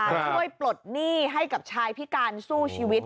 ช่วยปลดหนี้ให้กับชายพิการสู้ชีวิต